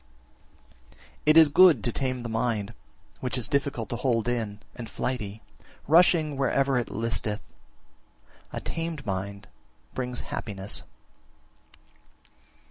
35. It is good to tame the mind, which is difficult to hold in and flighty, rushing wherever it listeth; a tamed mind brings happiness.